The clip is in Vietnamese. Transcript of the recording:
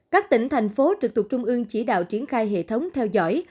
các tỉnh thành phố trực thuộc trung ương chỉ đạo triển khai hệ thống theo dõi